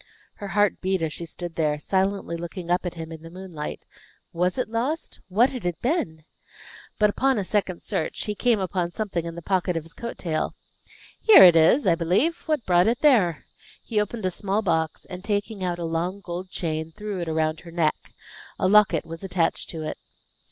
Her heart beat as she stood there, silently looking up at him in the moonlight. Was it lost? What had it been? But, upon a second search, he came upon something in the pocket of his coat tail. "Here it is, I believe; what brought it there?" He opened a small box, and taking out a long, gold chain, threw it around her neck. A locket was attached to it.